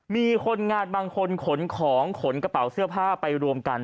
มีคนงานบางคนขนของขนกระเป๋าเสื้อผ้าไปรวมกัน